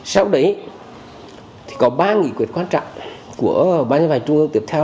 sau đấy thì có ba nghị quyết quan trọng của ba giải pháp trung ương tiếp theo